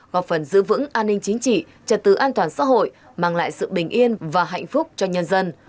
góp phần giữ vững an ninh chính trị trật tự an toàn xã hội mang lại sự bình yên và hạnh phúc cho nhân dân